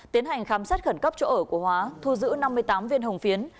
tiến hành khám xét khẩn cấp chỗ ở của hóa thu giữ năm mươi tám viên hồng phiến